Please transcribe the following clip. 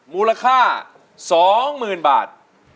มูลค่า๒๐๐๐๐บาท